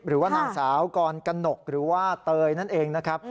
หรือว่านางสาวกรกนกหรือว่าเตยนั่นเองนะครับ